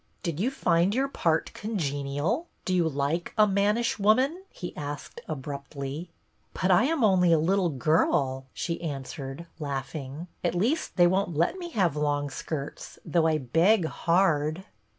" Did you find your part congenial Do you like a mannish woman?" he asked abruptly. " But I am only a little girl," she answered, laughing. " At least they won't let me have long skirts, though I beg hard."